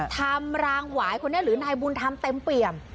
ทำลางหวายคนเนี่ยหรือนายบุญทำเต้มเปลี่ยม